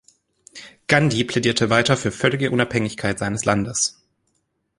Gandhi plädierte weiter für völlige Unabhängigkeit seines Landes.